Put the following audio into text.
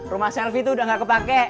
rumah selfie itu udah gak kepake